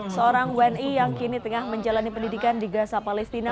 seorang wni yang kini tengah menjalani pendidikan di gaza palestina